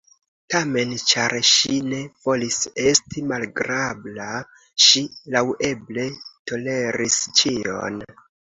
Tamen, ĉar ŝi ne volis esti malagrabla, ŝi laŭeble toleris ĉion.